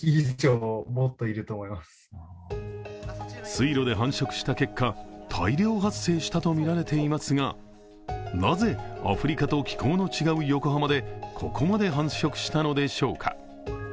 水路で繁殖した結果、大量発生したとみられていますが、なぜアフリカと気候の違う横浜でここまで繁殖したのでしょうか。